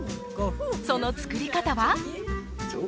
その作り方は？